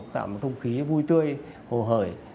tạo một không khí vui tươi hồ hởi